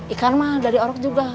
ikan mah dari orok juga